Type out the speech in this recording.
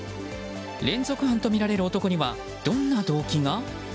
連続犯とみられる男にはどんな動機が？